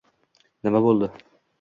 Nima bo‘ldi?